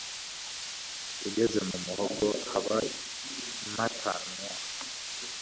Ugeze mu muhogo haba impatanwa